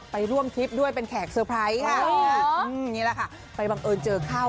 ไปร่วมทริปด้วยเป็นแขกเซอร์ไพรส์ค่ะอืมนี่แหละค่ะไปบังเอิญเจอเข้า